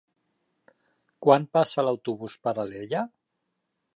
Quan passa l'autobús per Alella?